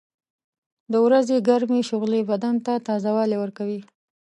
• د ورځې ګرمې شغلې بدن ته تازهوالی ورکوي.